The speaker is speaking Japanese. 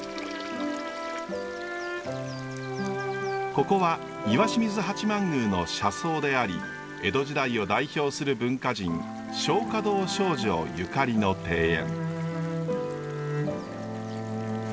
ここは石清水八幡宮の社僧であり江戸時代を代表する文化人松花堂昭乗ゆかりの庭園。